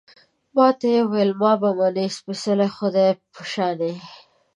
ما ته يې ویل، ما به منې، سپېڅلي خدای په شانې